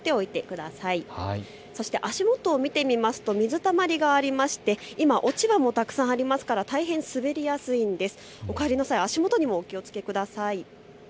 足元を見てみますと水たまりがありまして落ち葉もたくさんありますから大変滑りやすいんです。